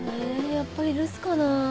やっぱり留守かなぁ。